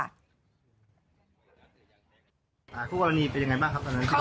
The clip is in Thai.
ข้อคุณผู้กรณีเป็นอย่างไรบ้างครับตั้งแต่ว่า